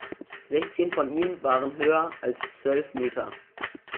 Sechzehn von ihnen waren höher als zwölf Meter.